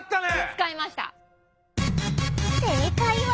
使いました。